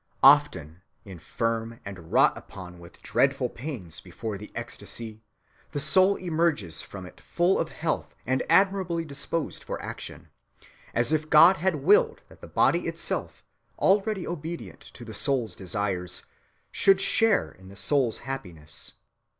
"Often, infirm and wrought upon with dreadful pains before the ecstasy, the soul emerges from it full of health and admirably disposed for action ... as if God had willed that the body itself, already obedient to the soul's desires, should share in the soul's happiness....